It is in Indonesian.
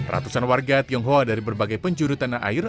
ratusan warga tionghoa dari berbagai penjuru tanah air